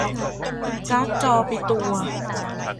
การ์ดจอไปตัว